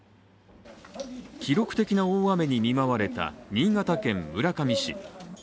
記録的な大雨に見舞われた新潟県村上市。